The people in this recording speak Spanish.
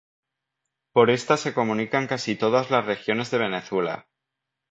Por esta se comunican casi todas las regiones de Venezuela.